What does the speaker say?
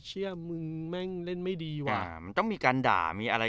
เชื่อมึงแม่งเล่นไม่ดีว่ะมันต้องมีการด่ามีอะไร